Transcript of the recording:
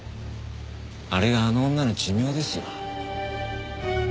あれがあの女の寿命ですよ。